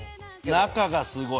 中がすごい！